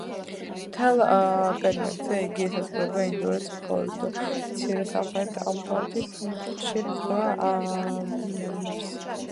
მთელ პერიმეტრზე იგი ესაზღვრება ინდოეთს, მხოლოდ მცირე, სამხრეთ-აღმოსავლეთ ნაწილში ესაზღვრება მიანმარს.